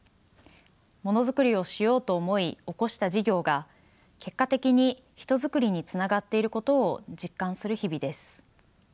ものづくりをしようと思い興した事業が結果的に人づくりにつながっていることを実感する日々です。